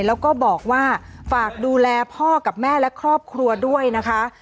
แล้วก็บอกว่าฝากดูแลพ่อกับแม่และครอบครัวด้วยนะคะ